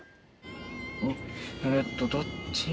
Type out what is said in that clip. えっとどっち？